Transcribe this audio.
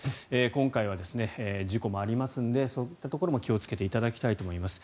今回は事故もありますのでそういったところも気をつけていただきたいと思います。